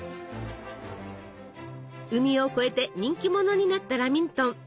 海を越えて人気者になったラミントン。